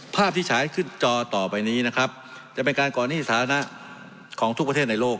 ภาพที่ฉายขึ้นจอต่อไปนี้นะครับจะเป็นการก่อนหนี้สถานะของทุกประเทศในโลก